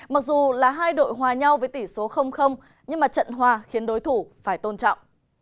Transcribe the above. mặc dù là hai đội hòa nhau với tỷ số nhưng trận hòa khiến đối thủ phải tôn trọng